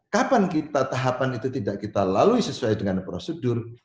kapan kita tahapan itu tidak kita lalui sesuai dengan prosedur